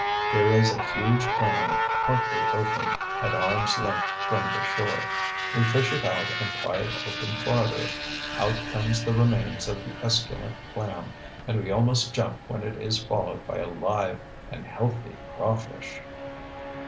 There is a huge clam, partly opened, at arm's length from the shore. We fish it out and pry it open farther; out comes the remains of the esculent clam, and we almost jump when it is followed by a live and healthy crawfish.